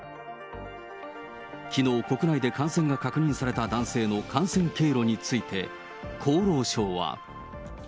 きのう国内で感染が確認された男性の感染経路について、厚労省は。